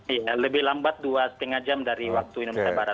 iya lebih lambat dua lima jam dari waktu indonesia barat